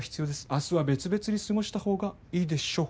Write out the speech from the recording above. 明日は別々に過ごしたほうがいいでしょう。